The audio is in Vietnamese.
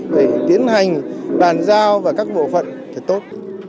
để tiến hành bàn giao và các bộ phận thật tốt